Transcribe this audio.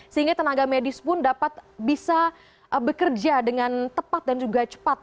sehingga tenaga medis pun dapat bisa bekerja dengan tepat dan juga cepat